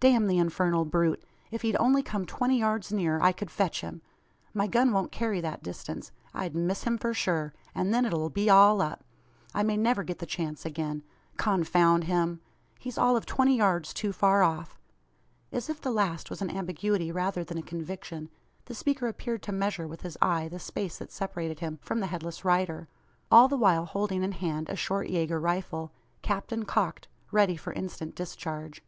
"Damn the infernal brute! If he'd only come twenty yards nearer, I could fetch him. My gun won't carry that distance. I'd miss him for sure, and then it'll be all up. I may never get the chance again. Confound him! He's all of twenty yards too far off." As if the last was an ambiguity rather than a conviction, the speaker appeared to measure with his eye the space that separated him from the headless rider all the while holding in hand a short Yager rifle, capped and cocked ready for instant discharge.